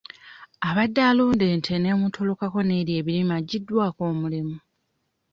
Abadde alunda ente n'emutolokako n'erya ebirime aggyiddwako omulimu.